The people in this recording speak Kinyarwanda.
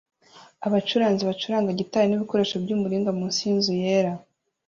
Abacuranzi bacuranga gitari n'ibikoresho by'umuringa munsi y'inzu yera